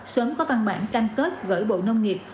sớm có văn bản cam kết gửi bộ nông nghiệp